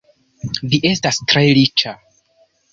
Vi estas tre riĉa?